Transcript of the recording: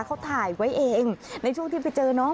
เขาถ่ายไว้เองในช่วงที่ไปเจอน้อง